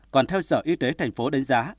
còn theo sở y tế thành phố đánh giá